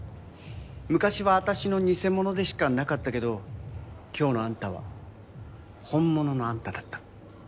昔は私の偽者でしかなかったけど今日のあんたは本物のあんただった。